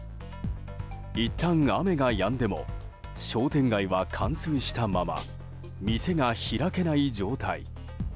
いったん雨がやんでも商店街は冠水したまま店が開けない状態。